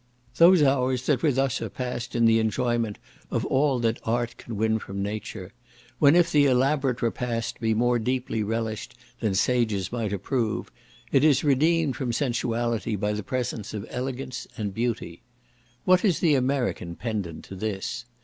Those hours that with us are passed in the enjoyment of all that art can win from nature; when, if the elaborate repast be more deeply relished than sages might approve, it is redeemed from sensuality by the presence of elegance and beauty. What is the American pendant to this?